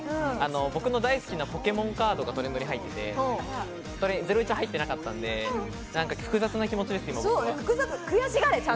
僕の大好きなポケモンカードがトレンドに入っていて、『ゼロイチ』は入っていなかったんで、複雑な気持ちです。